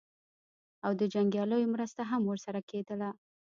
او د جنګیالیو مرسته هم ورسره کېدله.